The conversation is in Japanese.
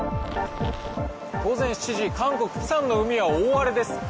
午前７時韓国・釜山の海は大荒れです。